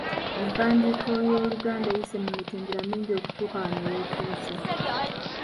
Empandiika y’Oluganda eyise mu mitendera mingi okutuuka wano w’etuuse.